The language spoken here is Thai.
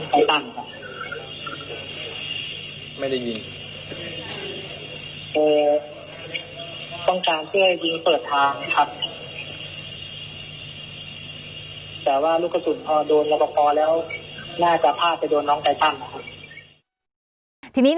แล้วน่าจะพลาดไปโดนน้องไต้ตั้ง